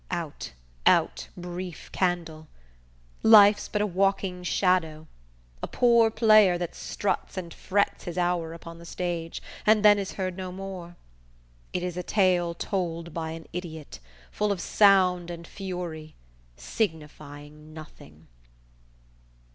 Out, out brief candle! Life's but a walking shadow; a poor player, That struts and frets his hour upon the stage, And then is heard no more. It is a tale, Told by an idiot, full of sound and fury Signifying nothing!"